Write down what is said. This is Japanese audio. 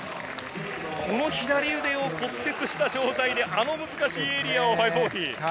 左腕を骨折した状態で難しいエリアを５４０。